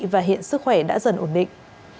và hiện sức khỏe đã dần ổn định